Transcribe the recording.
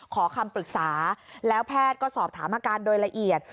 ขอคำปรึกษาแล้วแพทย์ก็สอบถามอาการโดยละเอียด